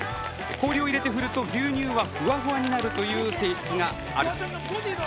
氷を入れて振ると牛乳はふわふわになるという性質があるという。